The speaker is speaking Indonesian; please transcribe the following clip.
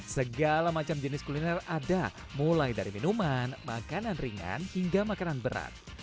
segala macam jenis kuliner ada mulai dari minuman makanan ringan hingga makanan berat